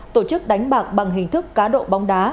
tổ chức đánh bạc bằng hình thức cá độ bóng đá